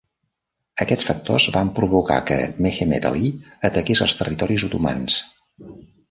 Aquests factors van provocar que Mehemet Ali ataqués els territoris otomans.